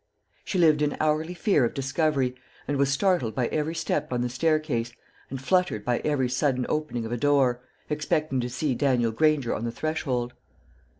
She lived in hourly fear of discovery, and was startled by every step on the staircase and fluttered by every sudden opening of a door, expecting to see Daniel Granger on the threshold.